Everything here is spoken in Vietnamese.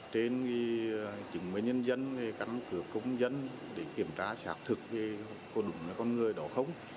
trên chứng minh nhân dân các cửa công dân để kiểm tra xác thực có đúng là con người đó không